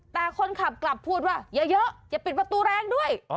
แต่คนขับกลับพูดว่าเยอะอย่าปิดประตูแรงด้วย